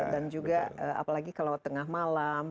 dan juga apalagi kalau tengah malam